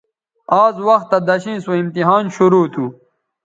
آز وختہ دݜیئں سو امتحان شرو تھو